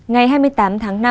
ngày hai mươi tám tháng năm